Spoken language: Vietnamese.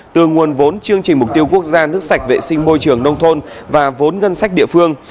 từ nguồn vốn chương trình mục tiêu quốc gia nước sạch vệ sinh môi trường nông thôn và vốn ngân sách địa phương